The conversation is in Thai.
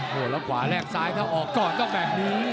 โอ้โหแล้วขวาแลกซ้ายถ้าออกก่อนก็แบบนี้